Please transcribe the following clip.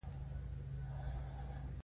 پلورنځی د اقتصاد یوه مهمه برخه ده.